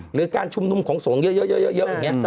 หรือการชุมนุมของสงฆ์เยอะอย่างนี้